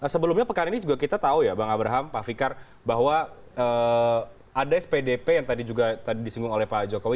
sebelumnya pekan ini juga kita tahu ya bang abraham pak fikar bahwa ada spdp yang tadi juga tadi disinggung oleh pak jokowi